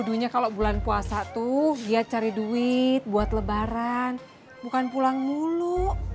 aduhnya kalau bulan puasa tuh dia cari duit buat lebaran bukan pulang mulu